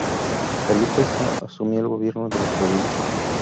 Felipe Saá asumió el gobierno de la provincia.